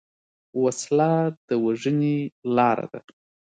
وسله د وژنې لاره ده